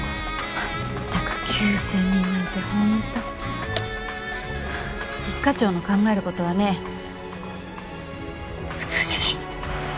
まったく９０００人なんて本当一課長の考える事はね普通じゃない！